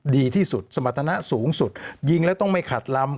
ดีที่สุดสมรรถนะสูงสุดยิงแล้วต้องไม่ขัดลำ